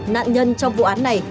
nạn nhân trong vụ án này